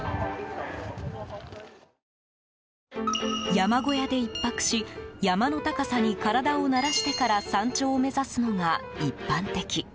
山小屋で１泊し山の高さに体を慣らしてから山頂を目指すのが一般的。